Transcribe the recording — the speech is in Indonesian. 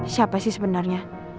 siapa sih sebenarnya